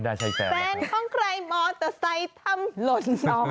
แฟนของใครมอเตอร์ไซด์ทำหล่น